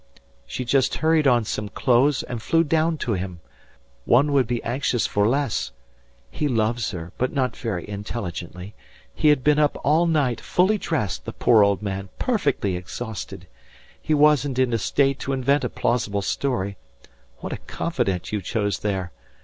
She just hurried on some clothes and flew down to him. One would be anxious for less. He loves her, but not very intelligently. He had been up all night, fully dressed, the poor old man, perfectly exhausted! He wasn't in a state to invent a plausible story.... What a confidant you chose there!...